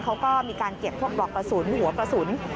เขาก็มีการเก็บพวกปลอกกระสุนหัวกระสุน